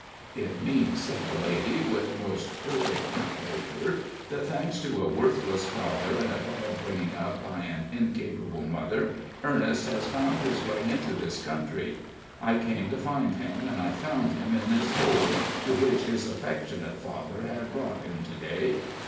"It means," said the lady, with most perfect composure, "that, thanks to a worthless father and a bad bringing up by an incapable mother, Ernest has found his way into this country. I came to find him, and I found him in this hole, to which his affectionate father brought him to day.